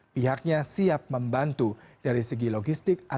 pihaknya siap membantu dari segi logistik